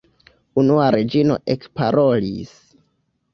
Unua Reĝino ekparolis.